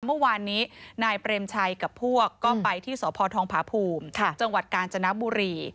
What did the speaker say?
เมื่อวานนี้นายเปรมชัยกับพวกก็ไปที่สพทองผาภูมิจังหวัดกาญจนบุรี